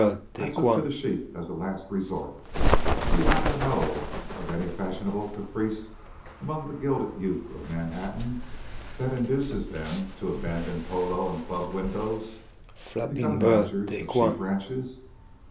I took to the sheep as a last resort. Do you happen to know of any fashionable caprice among the gilded youth of Manhattan that induces them to abandon polo and club windows to become managers of sheep ranches?"